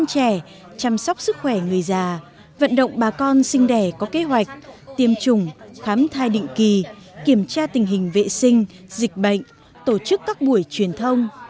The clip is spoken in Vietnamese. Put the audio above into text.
chăm sóc sức khỏe người già vận động bà con sinh đẻ có kế hoạch tiêm chủng khám thai định kỳ kiểm tra tình hình vệ sinh dịch bệnh tổ chức các buổi truyền thông